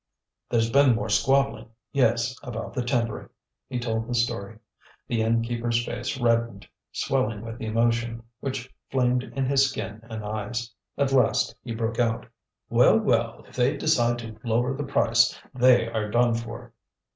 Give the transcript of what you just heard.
"There's been more squabbling. Yes, about the timbering." He told the story. The innkeeper's face reddened, swelling with emotion, which flamed in his skin and eyes. At last he broke out: "Well, well! if they decide to lower the price they are done for."